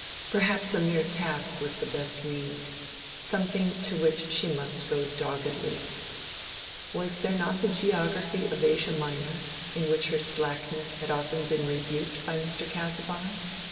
Perhaps a mere task was the best means—something to which she must go doggedly. Was there not the geography of Asia Minor, in which her slackness had often been rebuked by Mr. Casaubon?